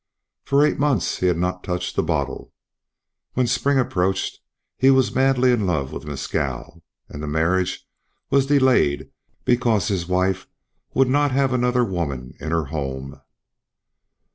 For eight months he had not touched the bottle. When spring approached he was madly in love with Mescal. And the marriage was delayed because his wife would not have another woman in her home.